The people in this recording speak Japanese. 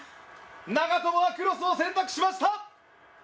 長友はクロスを選択しました。